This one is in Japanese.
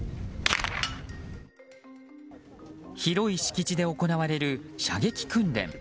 広い敷地で行われる射撃訓練。